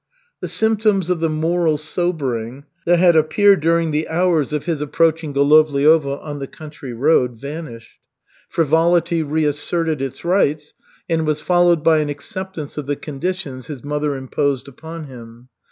The symptoms of the moral sobering that had appeared during the hours of his approaching Golovliovo on the country road, vanished. Frivolity reasserted its rights and was followed by an acceptance of the conditions his mother imposed upon him.